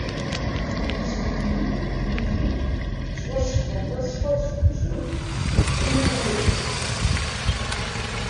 Iztikiyen, nitni, ttwasefḍen d asfaḍ seg umezruy deg kra n wayyuren.